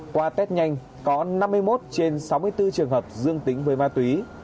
qua test nhanh có năm mươi một trên sáu mươi bốn trường hợp dương tính với ma túy